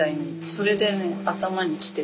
それでね頭にきて。